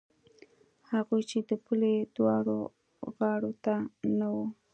هغوی چې د پولې دواړو غاړو ته نه وو.